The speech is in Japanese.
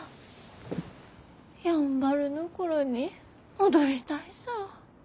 やんばるの頃に戻りたいさぁ。